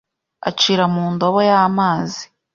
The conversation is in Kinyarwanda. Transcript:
ayacira mu ndobo y'amazi